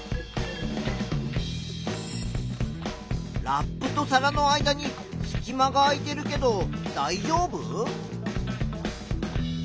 ラップと皿の間にすき間が空いているけどだいじょうぶ？